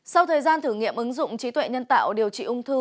sau thời gian thử nghiệm ứng dụng trí tuệ nhân tạo điều trị ung thư